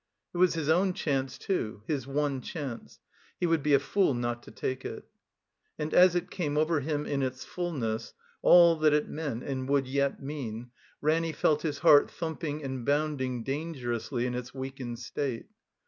It was his own chance, too, his one chance. He would be a fool not to take it. And as it came over him in its fullness, all that it meant and would yet mean, Ranny felt his heart thumping and boimding, dangerously, in its weak ened state.